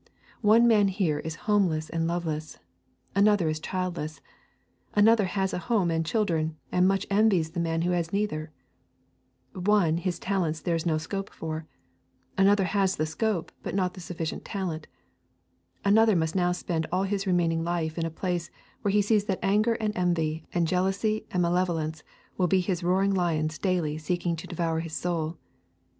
One man here is homeless and loveless; another is childless; another has a home and children, and much envies the man who has neither; one has talents there is no scope for; another has the scope, but not the sufficient talent; another must now spend all his remaining life in a place where he sees that anger and envy and jealousy and malevolence will be his roaring lions daily seeking to devour his soul.